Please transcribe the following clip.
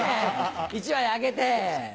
１枚あげて。